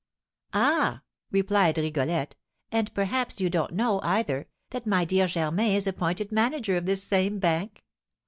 "Ah!" replied Rigolette. "And, perhaps, you don't know, either, that my dear Germain is appointed manager of this same bank?